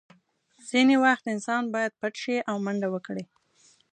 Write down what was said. ځینې وخت انسان باید پټ شي او منډه وکړي